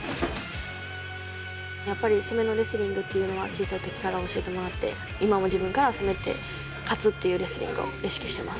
やっぱり攻めのレスリングというのは、小さいときから教えてもらって、いまもじぶんからせめて勝つっていうレスリングを意識してます。